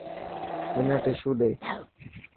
منا ششو ڏي.